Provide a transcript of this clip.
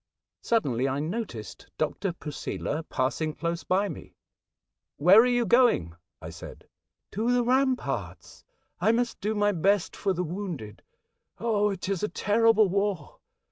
Suddenly I noticed Dr. Posela passing close by me. " Where are you going ?" I said. " To the ramparts. I must do my best for the wounded. Oh, it is a terrible war